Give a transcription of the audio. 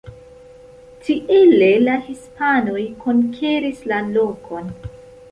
Tiele la hispanoj konkeris la lokon.